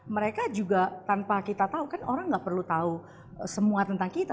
mereka juga tanpa kita tahu kan orang nggak perlu tahu semua tentang kita